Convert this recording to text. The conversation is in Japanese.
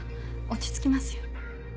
落ち着きますよ